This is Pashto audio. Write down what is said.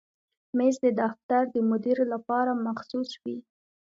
مېز د دفتر د مدیر لپاره مخصوص وي.